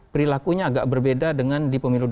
perilakunya agak berbeda dengan di pemilu dua ribu